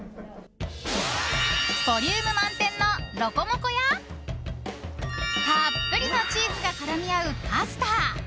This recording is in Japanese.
ボリューム満点のロコモコやたっぷりのチーズが絡み合うパスタ！